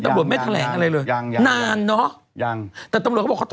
ยังยังตำลวจไม่แถลงอะไรเลยยังยังนานเนอะยังแต่ตำลวจก็บอกเขาท้อ